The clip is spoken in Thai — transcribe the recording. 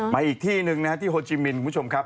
ไปอีกที่นึงนะครับที่ฮจิมินคุณผู้ชมครับ